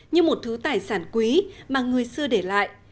như một thứ tài sản quý mà người xưa để lại